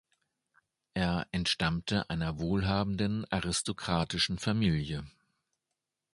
Er entstammte einer wohlhabenden aristokratischen Familie.